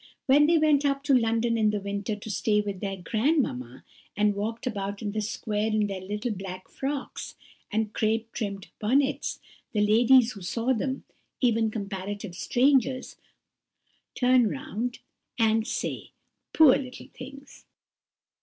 "When they went up to London in the winter to stay with their grandmamma, and walked about in the Square in their little black frocks and crape trimmed bonnets, the ladies who saw them,—even comparative strangers,—would turn round arid say:— "'Poor little things!